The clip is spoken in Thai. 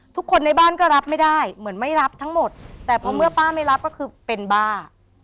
ทุกคนในบ้านก็รับไม่ได้เหมือนไม่รับทั้งหมดแต่พอเมื่อป้าไม่รับก็คือเป็นบ้า